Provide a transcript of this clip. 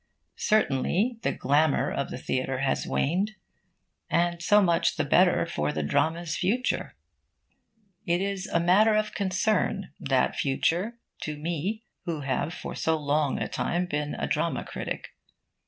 Certainly the glamour of the theatre has waned. And so much the better for the drama's future. It is a matter of concern, that future, to me who have for so long a time been a dramatic critic.